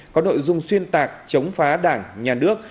có nội dung xuyên tạc chống phá đảng nhà nước